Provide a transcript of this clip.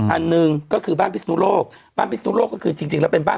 อันหนึ่งก็คือบ้านพิศนุโลกบ้านพิศนุโลกก็คือจริงจริงแล้วเป็นบ้าน